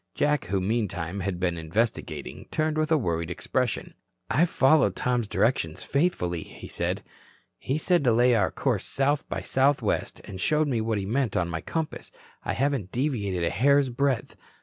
Jack who meantime had been investigating, turned with a worried expression. "I've followed Tom's directions faithfully," he said. "He said to lay our course south by south west and showed me what he meant on my compass. I haven't deviated a hair's breadth.